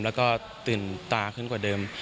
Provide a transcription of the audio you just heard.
แล้วก็ตื่นตาขึ้นกว่าเดิม